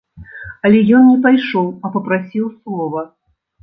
Але ён не пайшоў, а папрасіў слова.